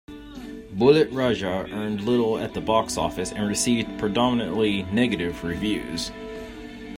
"Bullett Raja" earned little at the box office and received predominantly negative reviews.